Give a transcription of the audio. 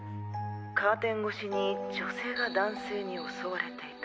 カーテン越しに女性が男性に襲われていた？